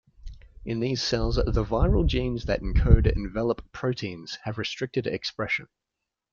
In these cells the viral genes that encode envelope proteins have restricted expression.